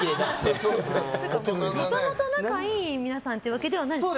もともと仲いい皆さんというわけではないんですか。